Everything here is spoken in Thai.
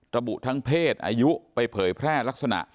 ระบุทั้งเพศอายุไปเผยแพร่ลักษณะ